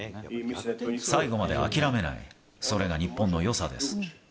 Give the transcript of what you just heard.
最後まで諦めない、それが日本のよさです。